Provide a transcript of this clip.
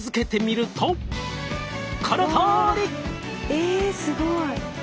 えすごい。